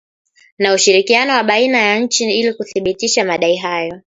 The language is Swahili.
Na ushirikiano wa baina ya nchi ili kuthibitisha madai hayo